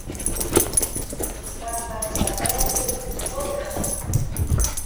Papa ćhakraćhu ishmurqun.